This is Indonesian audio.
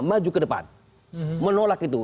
maju ke depan menolak itu